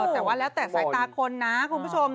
แต่ว่าแล้วแต่สายตาคนนะคุณผู้ชม